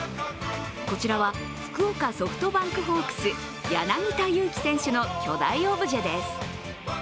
こちらは、福岡ソフトバンクホークス、柳田悠岐選手の巨大オブジェです。